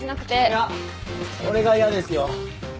いや俺が嫌ですよ。